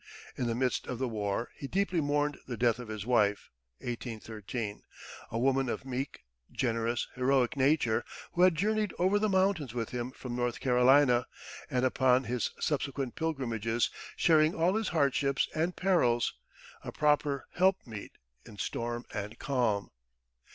In the midst of the war he deeply mourned the death of his wife (1813) a woman of meek, generous, heroic nature, who had journeyed over the mountains with him from North Carolina, and upon his subsequent pilgrimages, sharing all his hardships and perils, a proper helpmeet in storm and calm.